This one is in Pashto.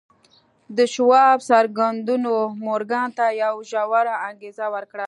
د شواب څرګندونو مورګان ته یوه ژوره انګېزه ورکړه